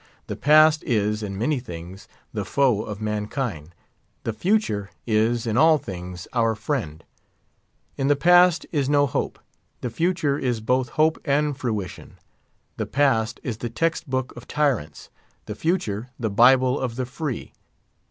The Past is, in many things, the foe of mankind; the Future is, in all things, our friend. In the Past is no hope; the Future is both hope and fruition. The Past is the text book of tyrants; the Future the Bible of the Free.